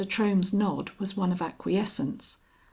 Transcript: Trohm's nod was one of acquiescence.